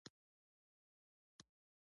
مارک ټواین وایي د خوښۍ لپاره غم تجربه کړئ.